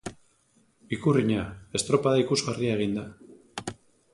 Ikurrina, estropada ikusgarria eginda.